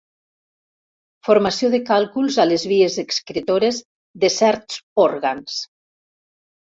Formació de càlculs a les vies excretores de certs òrgans.